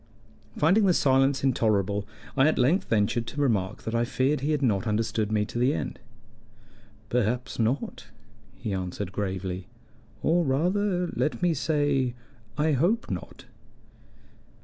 Finding the silence intolerable, I at length ventured to remark that I feared he had not understood me to the end. "Perhaps not," he answered gravely. "Or, rather let me say, I hope not."